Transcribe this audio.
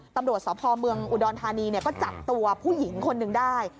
ตำรวจสพเมืองอุดรธานีก็จับตัวผู้หญิงคนหนึ่งได้